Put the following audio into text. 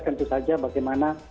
tentu saja bagaimana